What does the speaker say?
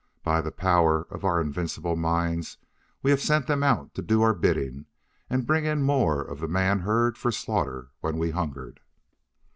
By the power of our invincible minds we have sent them out to do our bidding and bring in more of the man herd for slaughter when we hungered.